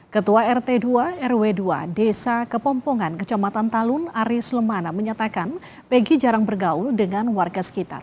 ketua rt dua rw dua desa kepompongan kecamatan talun aris lemana menyatakan peggy jarang bergaul dengan warga sekitar